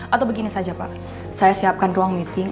atau begini saja pak saya siapkan ruang meeting